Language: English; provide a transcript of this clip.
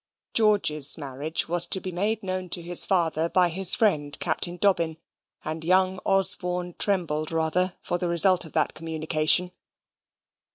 George's marriage was to be made known to his father by his friend Captain Dobbin; and young Osborne trembled rather for the result of that communication.